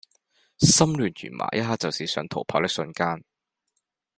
心亂如麻一刻就是想逃跑的瞬間